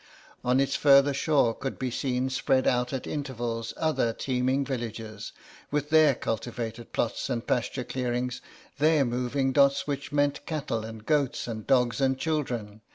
On its further shore could be seen spread out at intervals other teeming villages, with their cultivated plots and pasture clearings, their moving dots which meant cattle and goats and dogs and children.